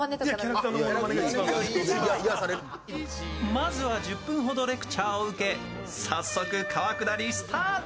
まずは１０分ほどレクチャーを受け、早速川下りスタート。